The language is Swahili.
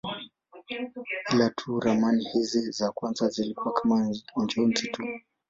Ila tu ramani hizi za kwanza zilikuwa kama njozi tu.